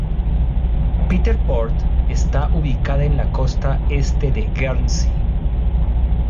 Peter Port está ubicada en la costa Este de Guernsey.